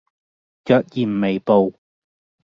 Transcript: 若然未報